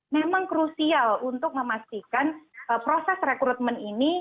memang krusial untuk memastikan proses rekrutmen ini